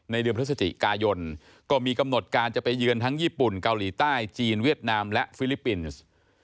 เดือนพฤศจิกายนก็มีกำหนดการจะไปเยือนทั้งญี่ปุ่นเกาหลีใต้จีนเวียดนามและฟิลิปปินส์